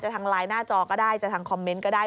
ทางไลน์หน้าจอก็ได้จะทางคอมเมนต์ก็ได้